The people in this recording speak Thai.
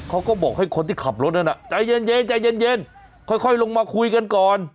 เขาก็บอกให้คนที่ขับรถนั่นน่ะใจเย็นเย็นใจเย็นเย็นค่อยค่อยลงมาคุยกันก่อน